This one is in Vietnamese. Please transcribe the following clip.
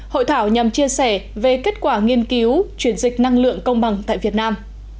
hội thảo nhằm chia sẻ về kết quả nghiên cứu chuyển dịch năng lượng công bằng tại việt nam